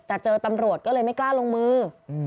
แต่เจอตำรวจก็เลยไม่กล้าลงมือ